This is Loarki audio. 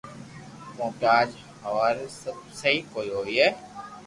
ڪونڪھ اج ھاوري مي سبب سھي ڪوئئي ھوئي